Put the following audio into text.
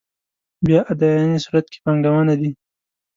بیا اداينې صورت کې پانګونه دي.